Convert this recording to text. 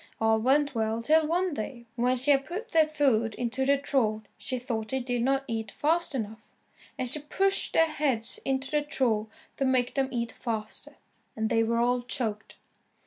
All went well till one day, when she had put their food into the trough she thought they did not eat fast enough, and she pushed their heads into the trough to make them eat faster, and they were all choked.